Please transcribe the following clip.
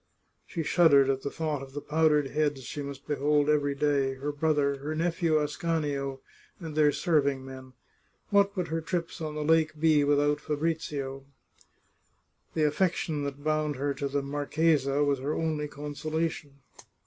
She shuddered at the thought of the powdered heads she must behold every day — her brother, her nephew Ascanio, and their serving men ; what would her trips on the lake be without Fabrizio ? The affection that bound her to the mar chesa was her only consolation.